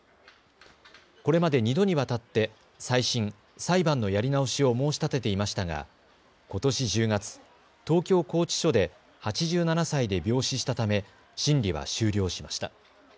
これまで２度にわたって再審・裁判のやり直しを申し立てていましたがことし１０月、東京拘置所で８７歳で病死したため審理は終了しました。